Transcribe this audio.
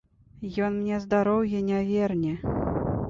Ён мне здароўе не верне.